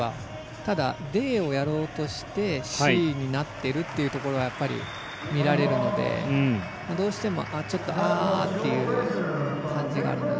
ただ、ＤをやろうとしてＣになっているというところが見られるので、どうしてもああっていう感じがあります。